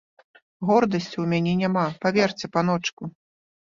Гордасці ў мяне няма, паверце, паночку.